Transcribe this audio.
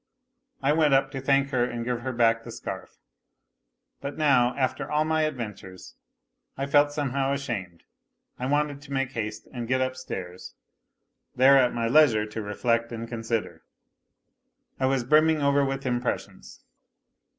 I went up to thank her and give back the scarf. But now, after 'all my adventures, I felt somehow ashamed. I wanted to make haste and get upstairs, there at my leisure to reflect and consider. I was brimming over with impressions.